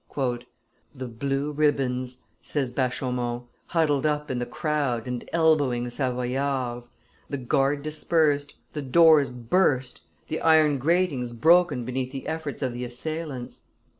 "The blue ribands," says Bachaumont, "huddled up in the crowd, and elbowing Savoyards; the guard dispersed, the doors burst, the iron gratings broken beneath the efforts of the assailants."